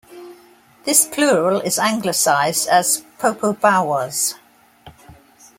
This plural is anglicized as "Popobawas".